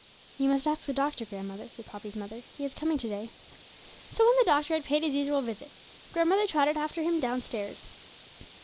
'You must ask the doctor, grandmother,' said Poppy's mother; 'he is coming to day.' So when the doctor had paid his usual visit, grandmother trotted after him downstairs.